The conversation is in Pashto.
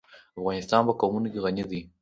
افغانستان په قومونه غني دی.